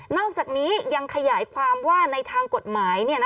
อกจากนี้ยังขยายความว่าในทางกฎหมาย